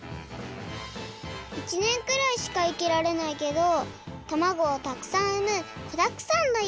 １年くらいしか生きられないけどたまごをたくさんうむこだくさんのいかだったよ。